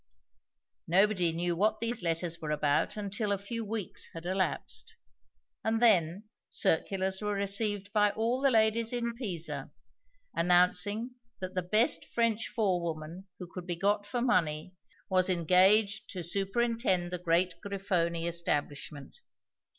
Nobody knew what these letters were about until a few weeks had elapsed, and then circulars were received by all the ladies in Pisa, announcing that the best French forewoman who could be got for money was engaged to superintend the great Grifoni establishment.